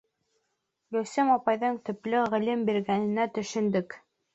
Гөлсөм апайҙың төплө ғилем биргәненә төшөндөк.